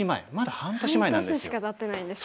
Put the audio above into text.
半年しかたってないんですか。